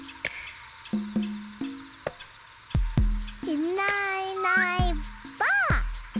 いないいないばあっ！